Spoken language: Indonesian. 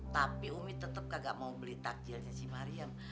tapi umi tetep gak mau beli takjilnya si mariam